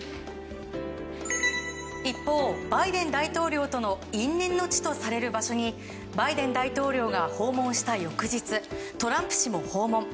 一方バイデン大統領との因縁の地とされる場所にバイデン大統領が訪問した翌日トランプ氏も訪問。